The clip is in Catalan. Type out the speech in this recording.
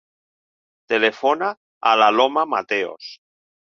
Telefona a l'Aloma Mateos.